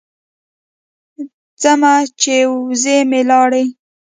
ځمه چې وزې مې لاړې.